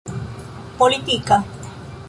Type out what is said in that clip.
politika